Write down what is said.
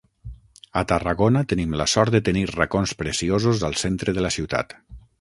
A Tarragona tenim la sort de tenir racons preciosos al centre de la ciutat.